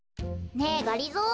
ねえがりぞー。